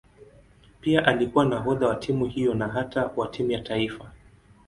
Pia alikuwa nahodha wa timu hiyo na hata wa timu ya taifa.